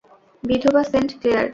বিধবা Saint Claire.